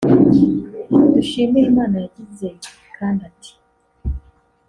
Dushimirimana yagize kandi ati